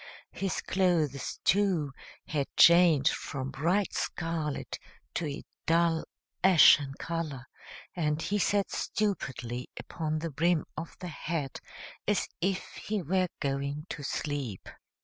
His clothes, too, had changed from bright scarlet to a dull ashen color, and he sat stupidly upon the brim of the hat as if he were going to sleep.